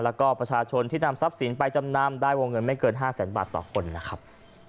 แล้วก็ประชาชนที่นำทรัพย์สินไปจำนำได้วงเงินไม่เกิน๕แสนบาทต่อคนนะครับ